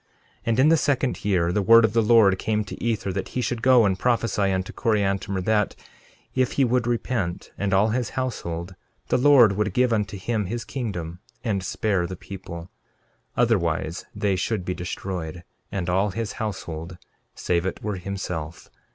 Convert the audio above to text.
13:20 And in the second year the word of the Lord came to Ether, that he should go and prophesy unto Coriantumr that, if he would repent, and all his household, the Lord would give unto him his kingdom and spare the people— 13:21 Otherwise they should be destroyed, and all his household save it were himself.